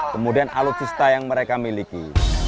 kemudian alutsista yang mereka miliki